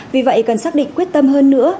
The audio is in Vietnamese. vì vậy cần xác định quyết tâm hơn nữa